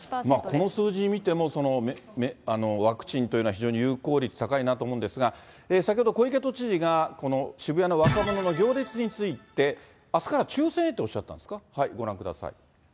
この数字見ても、ワクチンというのは非常に有効率高いなと思うんですが、先ほど小池都知事が、この渋谷の若者の行列について、あすから抽せんへとおっしゃったんですか。